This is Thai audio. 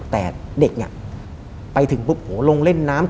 แต่เด็กเนี่ยไปถึงปุ๊บโหลงเล่นน้ำ